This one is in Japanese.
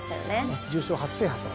重賞初制覇と。